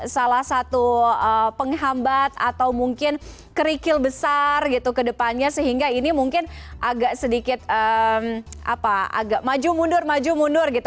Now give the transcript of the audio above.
salah satu penghambat atau mungkin kerikil besar gitu ke depannya sehingga ini mungkin agak sedikit maju mundur maju mundur gitu